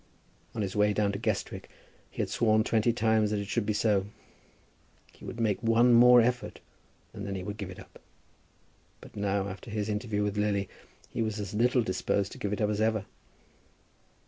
On his way down to Guestwick he had sworn twenty times that it should be so. He would make one more effort, and then he would give it up. But now, after his interview with Lily, he was as little disposed to give it up as ever.